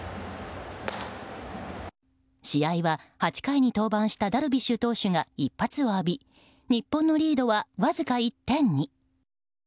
試合は、８回に登板したダルビッシュ投手が一発を浴び日本のリードはわずか１点に。